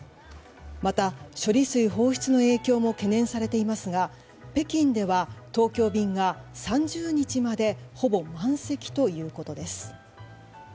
また、処理水放出の影響も懸念されていますが北京では東京便が３０日までほぼ満席ということです。